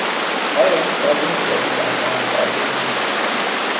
آیا این صابون جدید را امتحان کردهای؟